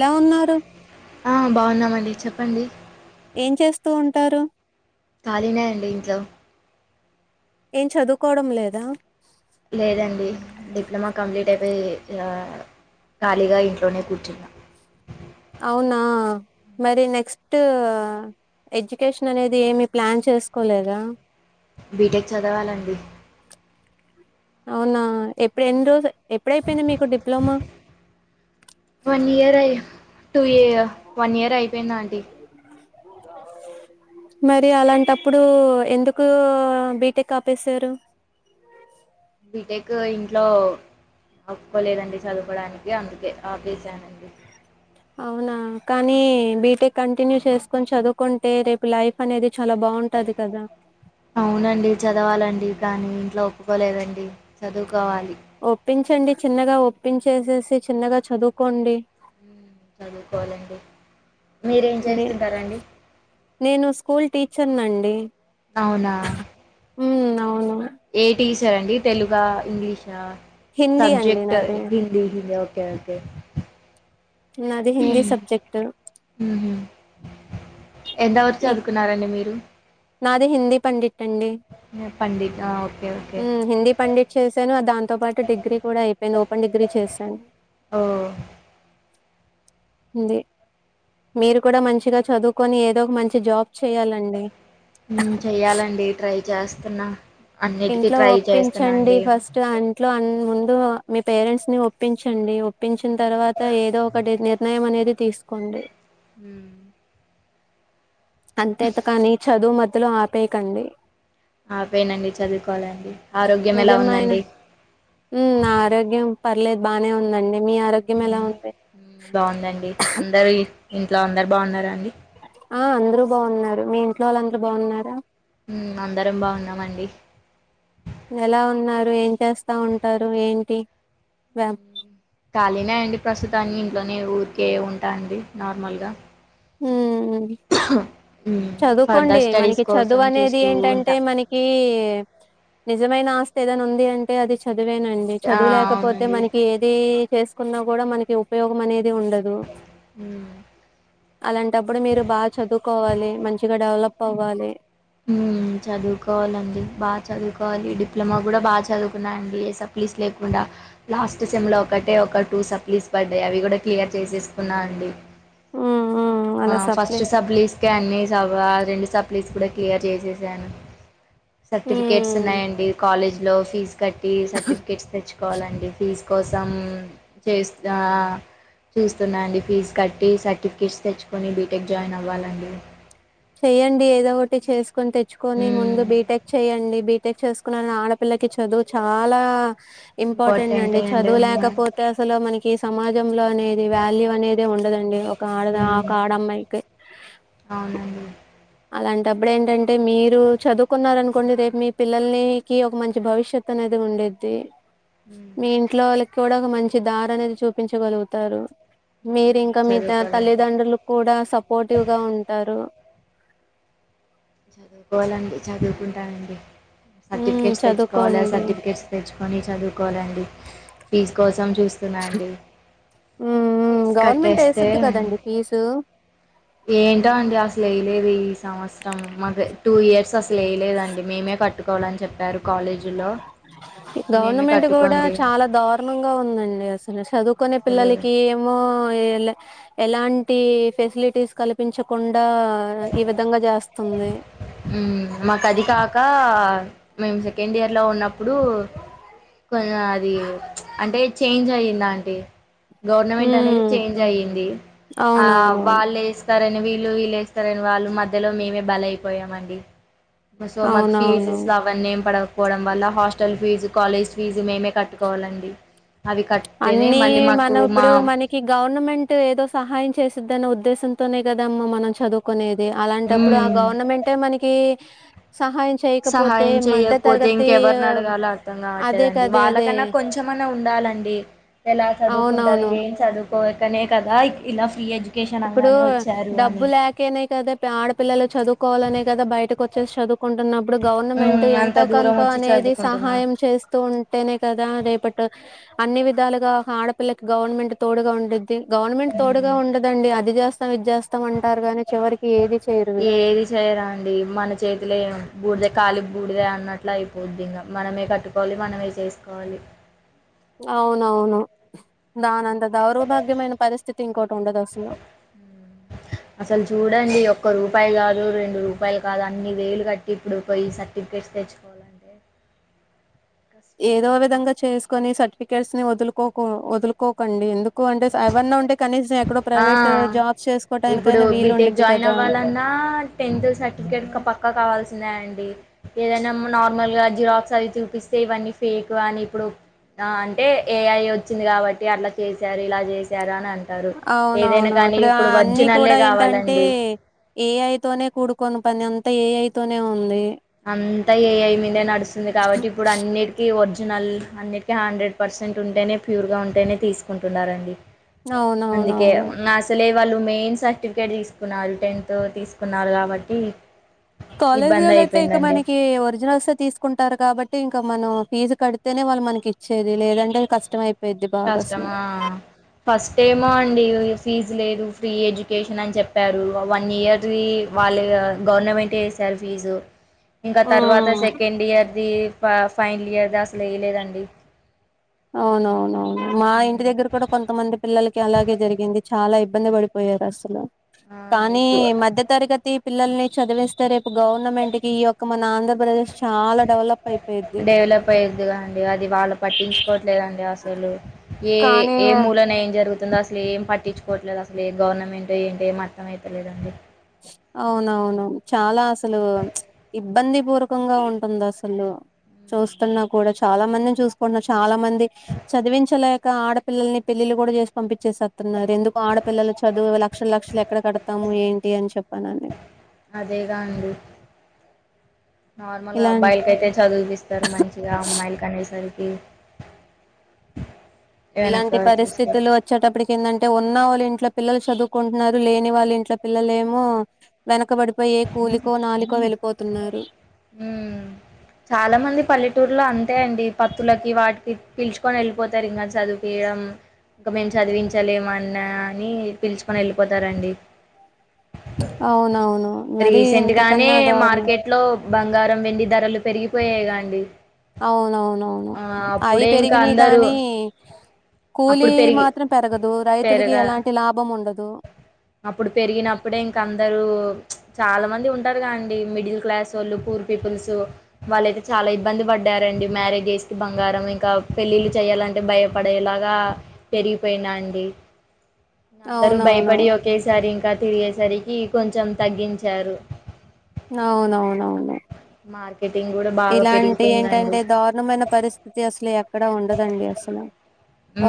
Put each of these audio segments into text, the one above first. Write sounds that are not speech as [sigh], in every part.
లా ఉన్నారు ఆ బావున్నామండి చెప్పండి ఏం చేస్తూ ఉంటారు ఖాళీనే అండి ఇంట్లో ఏం చదువుకోవడం లేదా లేదండి డిప్లొమా కంప్లీట్ అయిపోయి ఖాళీగా ఇంట్లోనే కూర్చున్నా అవునా మరి నెక్స్ట్ ఎడ్యుకేషన్ అనేది ఏమీ ప్లాన్ చేసుకోలేదా బీ టెక్ చదవాలండి అవునా ఎప్పుడు ఎన్ని రోజె ఎప్పుడు ఐపోయింది మీకు డిప్లొమా వన్ ఇయర్ అయి టూ ఏ వన్ ఇయర్ అయిపోయింది ఆంటి మరి అలాంటప్పుడు ఎందుకు బీ టెక్ ఆపేశారు బీ టెక్ ఇంట్లో ఒప్పుకోలేదండి చదువుకోడానికి అందుకే ఆపేస్ శానండి అవునా కానీ బీటెక్ కంటిన్యూ చేసుకొని చదువుకుంటే రేపు లైఫ్ అనేది చాలా బాగుంటది కదా అవునండి చదవాలండి కానీ ఇంట్లో ఒప్పుకోలేదండి చదువు కోవాలి యండి చిన్నగా ఒప్పించేసేసి చిన్నగా చదువుకోండి చదువుకోవాలండి మీరేం నే చేస్తుంటారాండి డీ అవునా అవును ఏటీస్ రండి తెలుగ ఇంగ్లీషా హిందీ అండి సబ్జెక్ట్ నాది హిందీ హిం ఓకే కే ది హిందీ సబ్జెక్టు ఎంతవర చదువుకున్నారండి మీరు నాది హిందీ పండిట్ ఆ! పండిట్ ఆ ఓకే ఓకే హిందీ పండిత్ చేశాను దాంతో పాటు డిగ్రీ కూడా అయిపోయింది ఓపెన్ డిగ్రీ చేశాను ఓ మీరు కూడా మంచిగా చదువుకొని ఏదో ఒక మం జాబ్ చేయాలండి హ్మ్ చెయ్యాలండి ట్రై చేస్తున్నా అన్నిటికీ ఇంట్లో ట్రై చేస్తున్నా ఒప్పించండి అండి ఉమ్ ఫస్ట్ అంట్లో ముందు మీ పేరెంట్స్ని ఒప్పించండి ఒప్పించిన తర్వాత ఏదో ఒకటి నిర్ణయం అనేది తీసుకోండి హ్మ్ అంతేత కాని చదువు మధ్యలో ఆపేయకండి ఆపోయినండి చదువుకోవాలండి ఆరోగ్యం ఎలా నిజమైన ఉందండి ఉమ్, నా ఆరోగ్యం పర్లేదు బానే ఉందండి మీ ఆరోగ్యం ఎలా ఉంది బాగుందండి అందరు ఇంట్లో అందరు బాగున్నారండి ఆ అందరూ బాగున్నారు మీ ఇంట్లో వాళ్ళు అందరు బాగున్నారుారా హ్మ్ అందరం బాగున్నామండి ఎలా ఉన్నారు ఏం చేస్తా ఉంటారు ఏంటి బ్యామ్ ఖాళీనే అండి ప్రస్తుతాన్ని ఇంట్లోనే ఊరికే ఉంటా అండి నార్మల్గా ఉమ్ మ్మ్ చదువుకోండి ఫర్దర్ స్టడీస్ మనకి కోసం చదువు అనేది చూస్తూ ఏంటంటే ఉంటా మనకి నిజమైన ఆస్తి ఏదైనా ఉంది అంటే అది చది చదివేనండి ఆ చదువులేకపోతే అవునండి మనకి ఏది చేసుకున్నా కూడా మనకి ఉపయోగం అనేది ఉండదు మ్మ్ అలాంటప్పుడు మీరు బాగా చదువుకోవాలి మంచిగా డెవలప్ అవ్వాలి హ్మ్మ్ చదువుకోవాలండి బాగా చదువుకో చదువుకోవాలి డిప్లొమా కూడా బాగా చదువుకున్నా అండి ఏ సప్లీస్ లేకుండా లాస్ట్ సెమ్లో ఒకటే ఒక టూ సప్లీస్ పడ్డాయి అవి కూడా క్లియర్ చేసేసుకున్నా అండి మ్మ్ మ్మ్ ఆ అలా సప్లై ఫస్ట్ సబులుస్కే అన్ని స రెండు సప్లై కూడా క్లియర్ చేసేశాను సర్టిఫికేట్స్ మ్మ్ ఉన్నాయండి కాలేజ్ లో ఫీజ్ కట్టి సర్టిఫికేట్స్ తెచ్చుకోవాలండి ఫీజ కోసం చేస్త చూస్తున్నాండి ఫీజు కట్టి సర్టిఫికేట్స్ తెచ్చుకొని బీటెక్ జాయిన్ అవ్వాలండి చెయ్యడి ఏదో ఒకటి చేసుకో కొని తెచ్చుకొని మ్మ్ ముందు బీటెక్ చెయ్యండి బి పెళ్లి చేసుకున్న ఆడపిల్లకి చదువు చాలా ఇంపార్టెంట్ ఇంపార్టెంటే అండి చదువు మ్మ్ లేకపోతే అసలు మనకి సమాజంలో అనేది వాల్యూ అనే తే ఉండదండి ఆడదా ఒక ఆడమ్మాయి అవునండి అలాంటప్పుడు ఏంటంటే మీరు చదువుకున్నారు అనుకోండి రేపు మీ పిల్లల్నికి ఒక మంచి భవిష్యత్ అనేది ఉండిద్ది. మ్మ్ మీ ఇంట్లో వాళ్ళ కూడా ఒక మంచి దారి అనేది చూపించగలుగుతారు. అవునండి మీరింకా మీ చదువుకోవాలండి తల్లిదండ్రులు కూడా సపోర్టివ్ గా ఉంటారు. చదువుకోవాలండి చదువుకుంటా అండి. హ్మ్. సర్టిఫికెట్స్ తెచ్చుకోవాలి చదువుకోండి సర్టిఫికెట్స్ తెచ్చుకొని చదువుకోవాలండి ఫీజు కోసం చూస్తున్నాండి ఉమ్ ఫీజు గవర్నమెంట్ కట్టేస్తే వేసిద్ది కదండి ఫీజు ఏంట అండి అసలు లేదు ఈ సమస్య సమ్ అదే టూ ఇయర్స్ లేలేదండి మేమే కట్టుకోవాలని చెప్పారు కాలేజీలో మేమే గవర్నమెంట్ కూడా కట్టుకోండి చాలా దారుణంగా ఉందండి అసలు చదువు కునే అసలు పిల్లకి ఏమో ఎలాఎలాంటి ఫెసిలిటీస్ కలిపించకుం హ్మ్ మాకు అది కాకా మేము సెకండ్ ఇయర్ లో ఉన్నప్పుడు కొం అది అంటే చేంజ్ అయ్యింది ఆంటీ గవర్నమెంట్ అనేది ఉమ్ చేంజ్ అయ్యింది, ఆ అవునవునవును వాళ్ళు ఎస్తారని విల్లు విల్లుఎస్ స్తరని వాళ్ళు మధ్యలో మేమే బలి అయిపోయామండి. సో మాకు అవునవును ఫీజ్స్ అవనేమ్ పడవ్ పోవడం వల్ల హాస్టల్ ఫీజు కాలేజ్ ఫీజు మేమే కట్టుకోవాలండి. అవి కట్తేనే అన్నీ మళ్ళీ మాకు మనం మా ఇప్పుడు మనకి గవర్నమెంట్ ఏదో సహాయం చేసిద్దని ఉద్ ఉద్దేశంతోనే కదామ్మ, మనం చదువుకునేది. అది అలాంటప్పుడు, ఆ మ్మ్ గవర్నమెంటే మనకి [unintelligible] చేయకపోతే సహాయం మధ్య చేయకపోతే, తరగతి ఆ, ఇంకెవరినడగాలో అర్థం అదే కావట్లేదండి. కదే అదే వాళ్లకన్నా కొంచమన్నా ఉండాలండి. అండి, ఎలా చదువుకుంటారు. అవునవును ఏం చదువుకోకనే కదా, ఇలా ఫ్రీ ఎడ్యు ఇప్పుడూ డబ్బు లేకనే కదా, ఆడపిల్లలు చదువుకోవాలనే గదా బయటకి వత్ జస్టిస్ చదువు. కుంటున్నప్పుడు, గవర్నమెంట్ మ్మ్ అంత దూరం ఎంతోకంతో వచ్చి అనేది చదువుకుంటున్నారు సహాయం చేస్తూ ఉంటేనే కదా, రేపటు అన్ని విధాలుగా, ఆడపిల్లకి గవర్నమెంట్ తోడుగా ఉండిద్. గవర్నమెంట్ తోడుగా ఉండిద్. అది చేస్తాం, ఇది చేస్తాం. అంటారు గాని చివరికి ఏది చేయరు వీళ్ళు ఏదీ చేయరా అండి, మన చేతిలో ఏముంది? బూడిదే ఖాళీ, బూడిదే అన్నట్టే అయిపోది. ఇంకా మనమే కట్టుకోవాలి, మనమే చేసుకోవాలి. అవునవును. దానంత దౌర్భాగ్యమైన పరిస్థితి ఇంకోటి ఉండదు అసలు. అసలు చూడండి ఒక్క రూపాయి కాదు, రెండు రూపాయల్ కాదు, అన్ని వేలు కట్టి ఇప్పుడు పోయి సర్టిఫికెట్స్ తెచ్చుకోవాలంటే.. కష్టం ఏదో అండి విధంగా చేస్. కొన్ని సర్టిఫికెట్స్ ని వదులుకోకు వదులుకోకండి ఎందుకు అంటే అవన్న ఉంటే కనీసం ఎక్కడో ఆ, ప్రైవేట్ జాబ్స్ ఇప్పుడు చేసుకోవటానికైనా వీలు బీటెక్ ఉండిద్ది జాయిన్ కదా అవ్వాలన్నా టెన్త్ సర్టిఫికెట్ పక్కా కావాల్సిందే అండి. ఏదైనా నార్మల్గా జిరాక్స్ అవి చూపిస్తే, ఇవన్నీ ఫేక్ అని, ఇప్పుడు అంటే ఏఐ వచ్చింది కాబట్టి అట్లా చేశారు, ఇలా చేశారు అని అంటూ అంటారు. అవును, ఇప్పుడు అన్ని ఒరిజినల్లే కూడా ఏంటంటే, కావాలండి ఏఐతోనే కూడుకొని మన పని అంతా, ఏఐతోనే ఉంది. అంతా ఏఐ మీదేనే నడుస్తుంది కాబట్టి, ఇప్పుడు అన్నిటికీ ఒరి ఒరిజినల్ అన్నిటికీ హండ్రెడ్ పర్సెంట్ ఉంటేనే, ప్యూర్‌గా ఉంటేనే తీసుకుంటున్నారండి. అందుకే, అవునవునవును నా అసలేమ్. వాళ్లు మెయిన్ సర్టిఫికెట్ తీసుకున్నారు, టెన్త్ తీసుకున్నారు కాబట్టి కాలేజ్ లో, ఇబ్బంది అలట్ట అయి. ఇక అయిపోయిందండి మనకి ఒరిజినల్స్ తీసుకుంటారు, కాబట్టి అంటే, ఇంకా మనం ఫీజు కడితేనే వాళ్ళు మనకి ఇచ్చేది, లేదంటే కష్టంయిపో కష్టమా! ఫస్ట్ టైము అండి. ఫీజు లేదు ఫ్రీ ఎడ్యుకేషన్ అని చెప్పారు వన్ ఇయర్ ది వాళ్లే ఇగ గవర్నమెంట్ ఏ ఏసారు ఫీజు ఇంకా తర్వాత ఉమ్ సెకండ్ ఇయర్ ది ఫ ఫైనల్ ఇయర్ద అసలు ఏయలేదండి అవునవునవును మా ఇంటి దగ్గర కూడా కొంతమంది పిల్లలకి అలాగే జరిగింది చాలా ఇ ఇబ్బంది పడిపోయారు అసలు కానీ ఇప్పు మధ్య తరగతి పిల్లల్ని చదివిస్తే రేప్ గవర్నమెంట్ కి ఈ యొక్క మన ఆంధ్రప్రదేశ్ చాలా డెవలప్ అయిపోయిది డెవలప్ లేదండి అసలు ఏ ఏ మూలన ఏం జరుగుతుందో అసలు ఏం పట్టించుకోవట్లేదు అసలు ఏ గవర్నమెంట్ ఏంటి ఏం అర్థం అయితలేదండి అవునవును చాలా అసలు ప్చ్ ఇబ్బంది పూర్వకంగా ఉంటుంది అసలు చూస్తున్నా కూడా చాలా మందిని చూసుకుంటున్నారు చాలా మంది చదివించలేక ఆడపిల్లల్ని పెళ్ళిలు కూడా చేసి పంపించేసేతున్నారు ఎందుకు ఆడపిల్లలు చదువు లక్షల లక్షలు ఎక్కడ కడతాము ఏం టీ అని చెప్పానని అదేగా అండి నార్మల్గా ఇలాంటి అబ్బాయిలకి ఆయితే చదివిపిస్తారు మంచిగా అమ్మాయిలకి అనేసరికి ఉ ఇలాంటి పరిస్థితులు వచ్చేటప్పటికి ఏందంటే ఉన్న వాళ్ళ ఇంట్లో పిల్లలు చదువుకుంటున్నారు లేని వాళ్ళు ఇంట్లో పిల్లలు ఏమో వెన క్కబడిపోయే కూలికో నాలికొ వెళ్ళిపోతున్నారు ట్టూర్లో అంతే అండి పత్తులకి వాటికి పిలుచుకొని వెళ్ళిపోతారు ఇంకా చదివిపియడం ఇంకా మేము చదివించలేమన్నా అని పిలుచుకొని వెళ్ళిపోతారండి అవునవును మరి రీసెంట్ గానే ఇంతకన్నా దారుణం మార్కెట్ లో బంగారం వెండి ధరలు పెరిగిపోయాయి గా అండి అవునవును అవును ఆ అవి అప్పుడే ఇంకా పెరిగినయి అందరూ కానీ కూలీ అప్పుడు పెరిగి మాత్రం పెరగదు రైతులకి పెరగ ఎలాంటి లాభం ఉండదు అప్పుడు పెరిగినప్పుడే ఇంకా అం అందరు ప్చ్ చాలా మంది ఉంటారుగా అండి మిడిల్ క్లాస్ ఓళ్ళు పూర్ పీపుల్సు వాళ్ళయితే చాలా ఇబ్బంది పడ్డారండి మ్యారేజేస్ కి బంగారం ఇంకా పెళ్ళిళ్ళు చెయాలంటే భయపడేలాగా పెరిగిపోయిన అండి అందరు అవునవును భయపడి ఒకేసారి ఇం కా తిరిగేసరికి కొంచెం తగ్గించారు అవునవునవును మారీ ఇలాంటి ఏంటంటే దారుణమైన పరిస్థితి అసల్ ఏ క్కడ ఉండదండి అసలు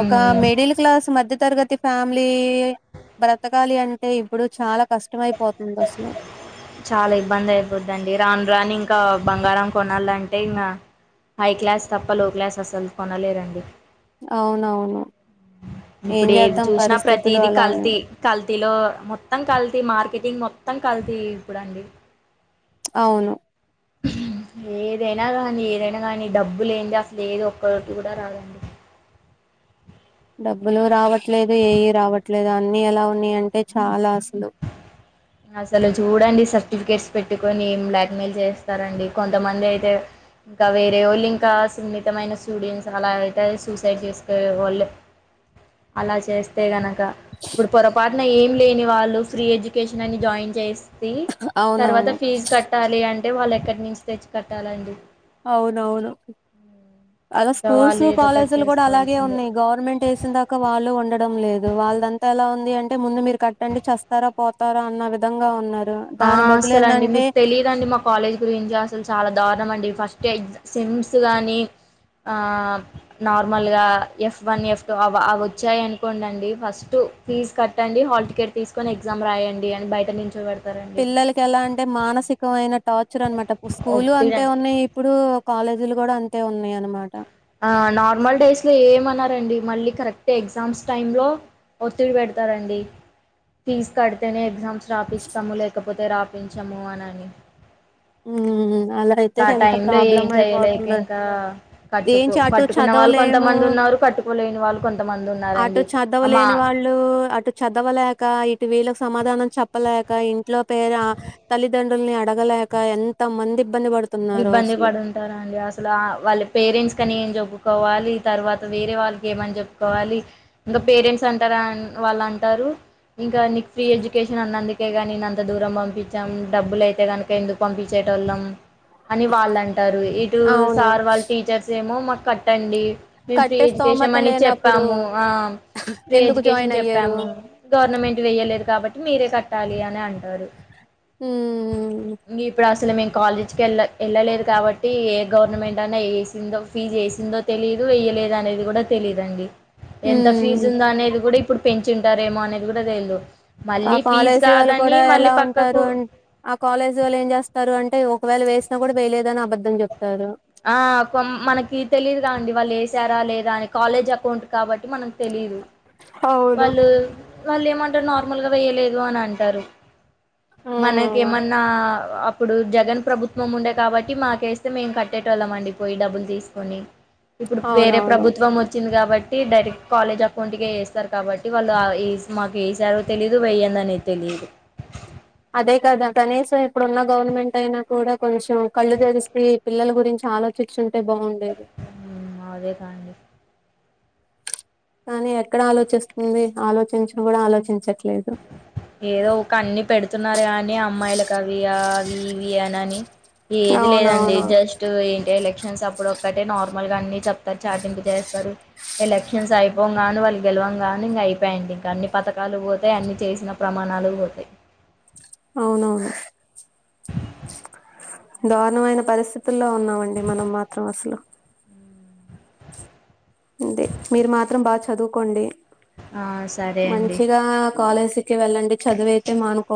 ఒక మిడిల్ క్లాస్ మ మధ్య తరగతి ఫ్యామిలీ బ్రతకాలి అంటే ఇప్పుడు చాలా కష్ చాలా ఇబ్బంది అయిపొద్దండి రాను రాను ఇం కా బంగారం కొనాలంటే ఇంగా హై క్లాస్ తప్ప లో క్లాస్ అసలు కొనలేరండి. అవును అవును ఇప్పుడు ఏది చూసినా ప్రతిది అలా కల్తీ ఉన్నాయి. కల్తీలో మొత్తం కల్తీ, మార్కెటింగ్ మొ త్తం కల్తీ ఇప్పుడుడండి అవును ఏదైనా కానీ ఏదైనా కానీ డబ్బు లేంది అసలు ఏది ఒక్కటి కూడా రాదండి. డబ్బులు రావట్లేదు ఏయి రావట్లేదు అన్నీ ఎలా ఉన్నాయంటే చాలా అసలు. అసలు చూడండి సర్టిఫికెట్స్ పెట్టుకొని బ్లాక్ మెయిల్ చేస్తారండి. కొంతమంది అయితే ఇంకా వేరే వోళ్ళు ఇంకా సున్నితమైన స్టూడెంట్స్ అలా అయితే సూసైడ్ చేసుకొ వాళ్ళే అలా సేస్తే గన. ఇప్పుడు పొరపా నా ఏం లేని వాళ్ళు ఫ్రీ ఎడ్యుకే నన్ని జాయిన్ చేస్ తర్వాత అవునవును. ఫీజ్ కట్టాలి అం టే వాళ్ళు ఎక్కడి నుంచి తెచ్చి కట్టాలండి అవును అవును అలా ఇంకా స్కూల్స్ వాళ్ళు ఏదో ఒకటి కాలేజీలు కూడా అలాగే చేసుకోవాల్సిందే ఉన్నాయ్ గవర్నమెంట్ వేసిందాకా వాళ్ళు ఉండడం లేదు వాళ్దంతా ఎలా ఉంది అంటే ముందు మీరు కట్టండి చస్తారా పో తారా అన్న విధంగా ఉన్నార్ ఆ అసలు అండి మీకు తెలీదండి మా కాలేజ్ గురించి అసలు చాలా దారుణం అండి ఫస్ట్ సిమ్స్ కానీ ఆ నార్మల్గా ఎఫ్ వన్ ఎఫ్ టు అవి అవి వచ్చాయి అనుకోండండి, ఫస్ట్ ఫీజు కట్టండి హాల్ టికెట్ తీసుకొని ఎగ్జామ్ రాయండి అని బయట నుంచో వెడు పిల్లలకి ఎలా అంటే మానసికమైన టార్చెర్ అనమాట ఇప్ స్కూలు అంతే ఒత్తిడండి ఉన్నాయి ఇప్పుడు కాలేజీలు కూడా అంతే ఉన్నయి అనమాట ఆ నార్మల్ డేస్ లో ఏమనరండి మళ్ళీ కరెక్ట్ ఎగ్జామ్స్ టైమ్ లో ఒత్తిడి పెడతారండి ఫీజు కడితేనే ఎగ్జామ్స్. రాపిస్తాం లేకపో పోతే రాపించము అనని హ్మ్ అలా అయితే కా ఆ ఎంత టైం లో ఏం ప్రాబ్లం చేయలేక అయిపోతుందో ఇంకా కట్టుకో ఏంచి అటు కట్టుకున్న వాళ్ళు చదవలేము కొంతమంది ఉన్నారు. కట్టుకోలేని వాళ్ళు కొంతమంది అటు ఉన్నారండి అమ్మా. చదవలేని వాళ్ళు అటు చదవలేక ఇటు వీళ్ళకు సమాధానం చెప్పలేక ఇంట్లో పేద తల్లిదం డ్రుల్ని అడగలే క ఎంతమంది ఇబ్బంది పడుంటారు అండి అసలు ఆ వాళ్లి పేరెంట్స్ కని చెప్పు కోవాలి తర్వాత వేరే వాళ్ళకి ఏమని చెప్పుకోవాలి. ఇంగ పేరెంట్స్ అంటార, వాళ్ళు అంటారు ఇంకా నీ ఫ్రీ ఎడ్యుకేషన్ అన్నందుకేగా నిన్ను అంత దూరం పంపి చం డబ్బులుయితే కనుక ఎందుకు పంపించేటోల్లం అని వాళ్ళు అంటారు ఇటు అవును సార్ వాళ్ళు టీచర్స్ ఏమో మాక్ కట్టండి మేము ఫ్రీ కట్టే స్తోమత ఎడ్యుకేషన్ అని లేనప్పుడు చెప్పాము ఆ ఫ్రీ ఎందుకు ఎడ్యుకేషన్ జాయిన్ అయ్యారు చెప్పాము గవర్నమెంట్ వేయ్యలేదు కాబట్టి మీరే కట్టాలి అని అన్ ఆరు హ్మ్మ్ మేము కాలేజ్ ఎల్ వెళ్ళలేదు కాబట్టి ఏ గవర్నమెంట్ అన్నా వేసిందో ఫీజ్ వేసిందో తెలియదు వేయలేదు అనేది కూడా తెలిదండి. ఎంత ఉమ్ ఫీజు ఉందా అనేది కూడా ఇప్పుడు పెంచ్ తింటారేమో అనేది కూడా లేదు ఆ కాలేజీ వాళ్ళు కూడా ఎలా పక్కకు ఉంటారు అన్ ఆ కాలేజీ వాళ్ళు ఏం చేస్తారు అంటే ఒకవేళ వేసిన కూడా వేయలేదని అబద్ ఆ కొ మనకి తెలిదుగా అండి వాళ్ళు సరా లేదా అని కాలేజ్ అకౌంట్ కాబట్టి మనం తెలీదు అవును వాళ్ళు వాళ్ళు ఏమంటారు నార్మల్ గా వేయలేదు అని అంటారు ఉమ్ మనకేమన్నా అప్పుడు జగన్ ప్రభుత్వం ఉండే కాబట్టి మాకే తే మేం కట్టేటోళ్ళం అండి పోయి డబ్బులు తీసుకొని ఇప్పుడు వేరే అవునవును ప్రభుత్వం వచ్చింది కాబట్టి ట్టి డైరెక్ట్ కాలేజ్ అకౌంట్ కే ఏస్తారు కాబట్టి వాళ్ళు మాకు ఏసారో తెలీదు వేయ్యందనేది తెలిదు. అదే కదా కనీసం ఇప్పుడున్న గవర్నమెంట్ అయినా కూడా కొంచెం కళ్ళు తెరిసి పిల్లలు గురించి ఆలోచించుం అంటే బాగుండేది అదే కాండి కానీ ఎక్కడ ఆలోచిస్తుంది ఆలోచించడం కూడా ఆలోచించట్లేదు ఏదో ఒక అన్ని పెడుతున్నారు వియానాని ఏది లేదండి అవునవును జస్ట్ ఏంటి ఎలక్ క్షన్ అప్పుడు ఒక్కటే నార్మల్ గా అన్ని చెప్తారు చాటింపు చేస్తారు ఎలక్షన్స్ అయిపోంగానే వాళ్ళు గెలవం గానే ఇంక అయిపోయింది ఇంకా అన్ని పథకాలు పోతయి అన్ని చేసిన ప్రమాణాలు పోతయి అవునవును దారుణమైన పరిస్థితి లో ఉన్నామండి మనం మాత్రం అసలు అంతే మీరు మాత్రం బాగా చదువుకోండి ఆ సరే అండి కాలేజీ కి వెళ్ళండి చదువు అయితే మానుకో